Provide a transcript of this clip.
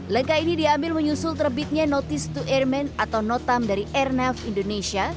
langkah ini diambil menyusul terbitnya notice to airmen atau notam dari airnav indonesia